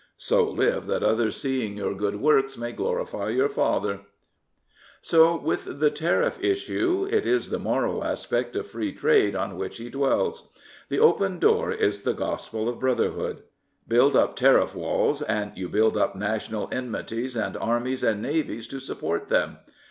' So live that others, seeing your good works, may glorify your Father,' " So with the Tariff issue. It is the moral aspect of Free Trade on which he dwells. The open door is the gospel of Brotherhood. Build up tariff walls, and you build up national enmities and armies and navies to support them.